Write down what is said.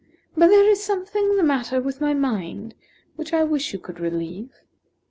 But there is something the matter with my mind which I wish you could relieve."